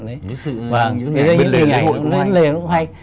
những hình ảnh bến lên lễ hội cũng hay